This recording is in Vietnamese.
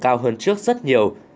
cao hơn trước rất nhiều